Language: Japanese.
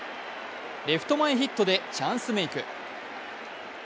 レフト前ヒットでチャンスメイク。